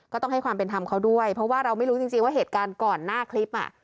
ต้องให้ความเป็นธรรมเขาด้วยเพราะว่าเราไม่รู้จริงว่าเหตุการณ์ก่อนหน้าคลิปอ่ะ